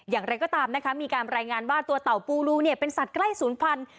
อย่างไรก็ตามนะคะมีการรายงานว่าตัวเต่าปูรูเนี่ยเป็นสัตว์ใกล้ศูนย์พันธุ